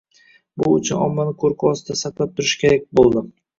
Bu uchun ommani qo‘rquv ostida saqlab turish kerak bo‘ldi.